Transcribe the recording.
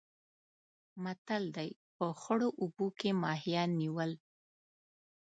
متل دی: په خړو اوبو کې ماهیان نیول.